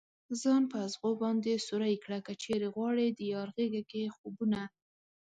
ځان په ازغو باندې سوری كړه كه چېرې غواړې ديار غېږه كې خوبونه